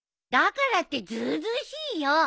だからってずうずうしいよ！